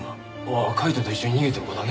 あカイトと一緒に逃げてる子だね。